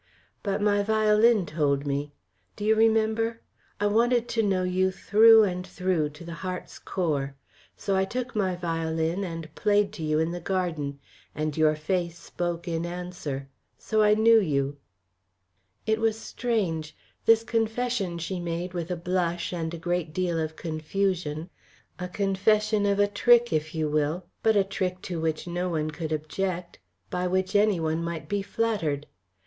"But my violin told me. Do you remember? I wanted to know you through and through, to the heart's core. So I took my violin and played to you in the garden. And your face spoke in answer. So I knew you." It was strange. This confession she made with a blush and a great deal of confusion a confession of a trick if you will, but a trick to which no one could object, by which anyone might be flattered.